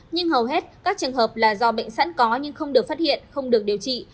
nhưng hầu hết các trường hợp là do bệnh sẵn có nhưng không được phát hiện không được điều trị